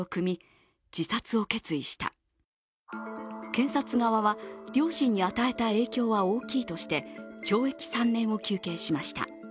検察側は両親に与えた影響は大きいとして懲役３年を求刑しました。